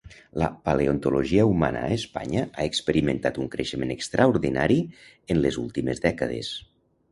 La paleontologia humana a Espanya ha experimentat un creixement extraordinari en les últimes dècades.